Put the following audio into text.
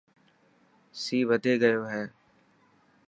سي وڌي گيو هي.